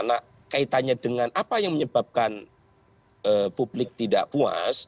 nah kaitannya dengan apa yang menyebabkan publik tidak puas